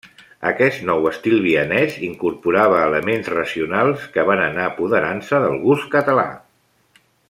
Aquest nou estil vienès incorporava elements racionals que van anar apoderant-se del gust català.